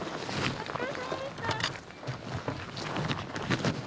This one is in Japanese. お疲れさまでした。